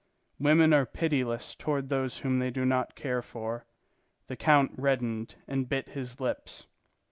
Women are pitiless toward those whom they do not care for. The count reddened and bit his lips.